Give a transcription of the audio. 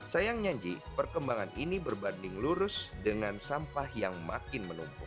sayangnya ji perkembangan ini berbanding lurus dengan sampah yang makin menumpuk